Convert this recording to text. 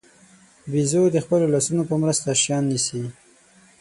بیزو د خپلو لاسونو په مرسته شیان نیسي.